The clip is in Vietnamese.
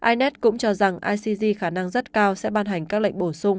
ines cũng cho rằng icc khả năng rất cao sẽ ban hành các lệnh bổ sung